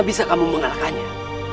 tidak ada yang bisa dikawal